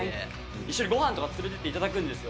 一緒にごはんとか連れていっていただくんですよ。